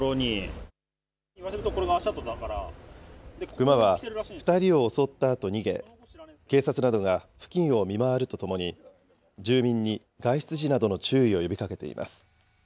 クマは２人を襲ったあと逃げ、警察などが付近を見回るとともに住民に外出時などの注意を呼びかけています。